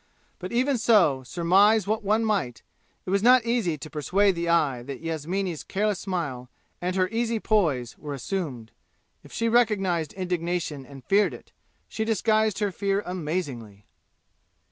But even so, surmise what one might, it was not easy to persuade the eye that Yasmini's careless smile and easy poise were assumed. If she recognized indignation and feared it, she disguised her fear amazingly.